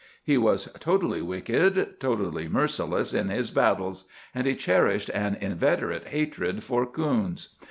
He was totally wicked, totally merciless in his battles, and he cherished an inveterate hatred for coons.